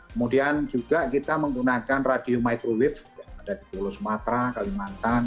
kemudian juga kita menggunakan radio microwave yang ada di pulau sumatera kalimantan